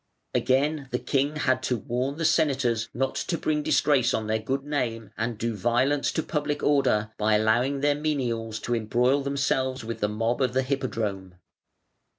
Again the king had to warn the Senators not to bring disgrace on their good name and do violence to public order by allowing their menials to embroil themselves with the mob of the Hippodrome.